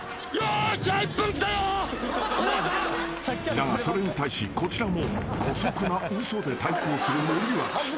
［だがそれに対しこちらも姑息な嘘で対抗する森脇］